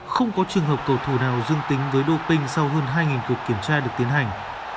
không có trường hợp cầu thù nào dương tính với doping sau hơn hai cuộc kiểm tra được tiến hành